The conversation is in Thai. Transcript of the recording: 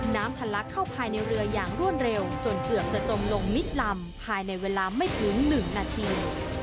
ทะลักเข้าภายในเรืออย่างรวดเร็วจนเกือบจะจมลงมิดลำภายในเวลาไม่ถึง๑นาที